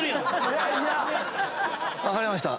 分かりました。